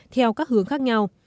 theo các hướng khác nhau